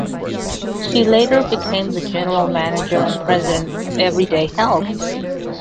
She later became the general manager and president of Everyday Health.